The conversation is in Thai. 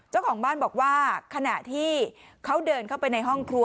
เจ้าของบ้านบอกว่าขณะที่เขาเดินเข้าไปในห้องครัว